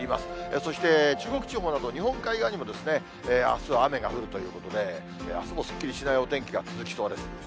そして、中国地方など、日本海側にもあすは雨が降るということで、あすもすっきりしないお天気が続きそうです。